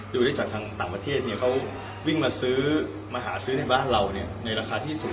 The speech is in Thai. ดูได้จากทางต่างประเทศเขาวิ่งมาซื้อมาหาซื้อในบ้านเราในราคาที่สูง